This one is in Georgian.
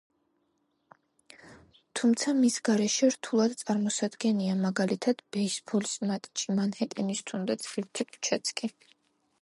თუმცა, მის გარეშე რთულად წარმოსადგენია, მაგალითად, ბეისბოლის მატჩი, მანჰეტენის თუნდაც ერთი ქუჩაც კი.